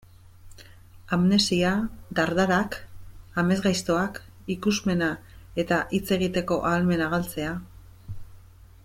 Amnesia, dardarak, amesgaiztoak, ikusmena eta hitz egiteko ahalmena galtzea...